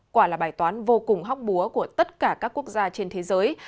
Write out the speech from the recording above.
quả là bài toán vô cùng hóc búa của tất cả các quốc gia trên thế giới